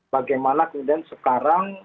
bagaimana kemudian sekarang